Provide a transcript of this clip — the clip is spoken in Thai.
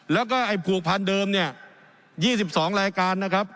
แล้วก็ไอ้ผูกพันเดิมเนี่ย๒๒รายการนะครับ